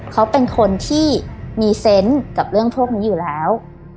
เขาเป็นคนที่มีเซนต์กับเรื่องพวกนี้อยู่แล้ว